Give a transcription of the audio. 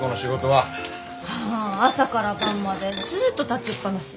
はあ朝から晩までずっと立ちっ放し。